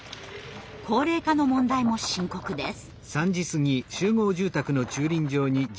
高齢化の問題も深刻です。